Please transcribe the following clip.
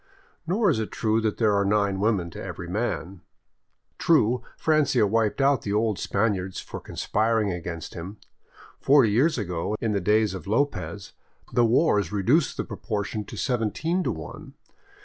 Nor is it true that there are nine women to every man. True, Francia wiped out the old Span iards for conspiring against him ; forty years ago, in the days of Lopez, the wars reduced the proportion to seventeen to one.